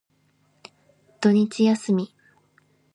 土日休み。